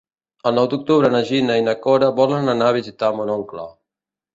El nou d'octubre na Gina i na Cora volen anar a visitar mon oncle.